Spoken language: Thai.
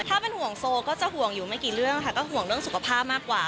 ถ้าเป็นห่วงโซ่ก็จะห่วงสุขภาพมากกว่า